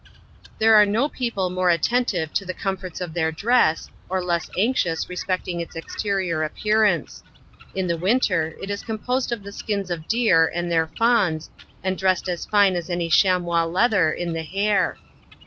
There are no people more attentive to the comforts of fheir dress, or less anxious respecting its exterior appear ance. In the winter it is composed of the skins of deer, and their fawns, and dressed as fine as any chamois leather in the hair.